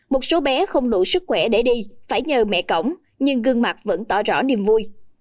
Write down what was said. một số bé không đủ sức khỏe để đi phải nhờ mẹ cổng nhưng gương mặt vẫn tỏ rõ niềm vui